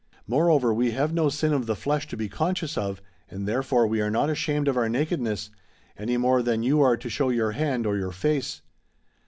Moreover we have no sin of the flesh to be conscious of, and therefore we are not ashamed of our nakedness, any more than you are to show your hand or your face.